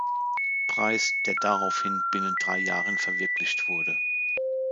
Preis, der daraufhin binnen drei Jahren verwirklicht wurde.